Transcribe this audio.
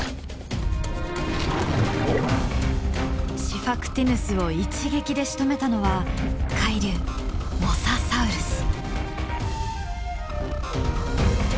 シファクティヌスを一撃でしとめたのは海竜モササウルス。